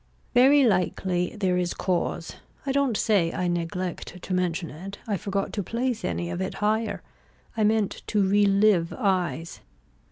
Very likely there is cause. I don't say I neglect to mention it. I forgot to place any of it higher. I meant to relive eyes.